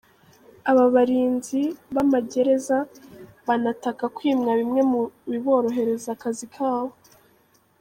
Aba barinzi b’amagereza banataka kwimwa bimwe mu biborohereza akazi kabo.